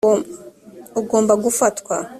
ugomba gufatwa